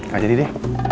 gak jadi deh